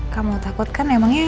kamu takutkan emangnya